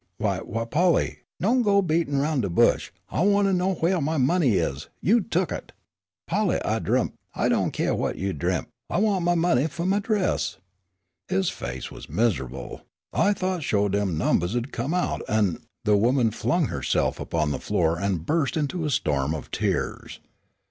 "Why Why, Polly " "Don' go beatin' 'roun' de bush. I want 'o know whaih my money is; you tuck it." "Polly, I dremp " "I do' keer what you dremp, I want my money fu' my dress." His face was miserable. "I thought sho' dem numbers 'u'd come out, an' " The woman flung herself upon the floor and burst into a storm of tears.